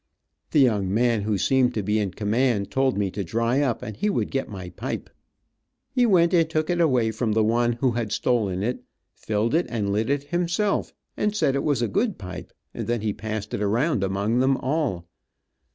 The young man who seemed to be in command told me to dry up, and he would get my pipe. He went and took it away from the one who had stolen it, filled it and lit it himself, and said it was a good pipe, and then he passed it around among them all.